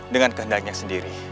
dengan keendahannya sendiri